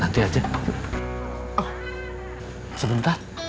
wassalamualaikum kang dadang